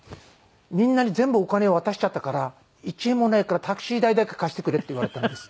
「みんなに全部お金を渡しちゃったから１円もないからタクシー代だけ貸してくれ」って言われたんです。